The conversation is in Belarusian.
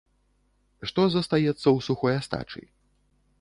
Што застаецца ў сухой астачы?